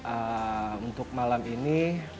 ehm untuk malam ini